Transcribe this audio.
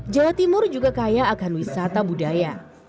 jawa timur juga kaya akan wisata budaya